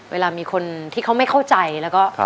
เวลามีคนที่เขาไม่เข้าใจแล้วก็